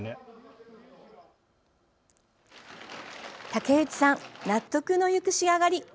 竹内さん納得のいく仕上がり。